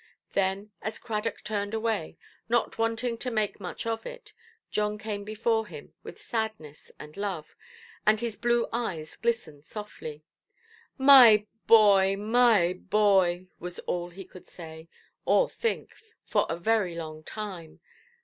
Then, as Cradock turned away, not wanting to make much of it, John came before him with sadness and love, and his blue eyes glistened softly. "My boy, my boy"! was all he could say, or think, for a very long time.